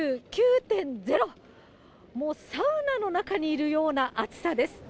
もうサウナの中にいるような暑さです。